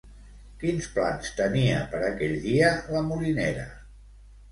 Quins plans tenia per aquell dia la molinera?